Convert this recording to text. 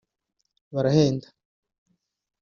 barahenda